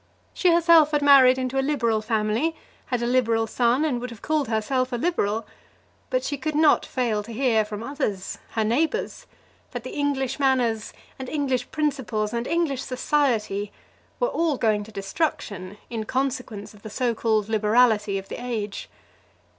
She herself had married into a Liberal family, had a Liberal son, and would have called herself a Liberal; but she could not fail to hear from others, her neighbours, that the English manners, and English principles, and English society were all going to destruction in consequence of the so called liberality of the age.